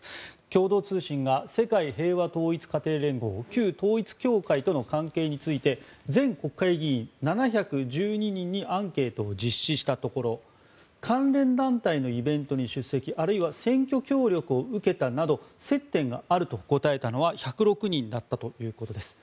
共同通信が世界平和統一家庭連合旧統一教会との関係について全国会議員７１２人にアンケートを実施したところ関連団体のイベントに出席あるいは選挙協力を受けたなど接点があると答えたのは１０６人だったということです。